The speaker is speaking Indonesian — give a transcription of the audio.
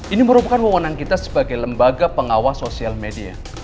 ini merupakan wawonan kita sebagai lembaga pengawas sosial media